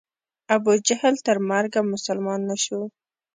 ابوجهل تر مرګه مسلمان نه شو.